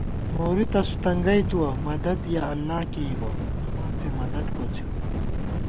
نوری تسُو تنگَئ تُوَہ، مدد یَہ اللہ کېئیبہ، نماڅےمدد کوڅِئیؤ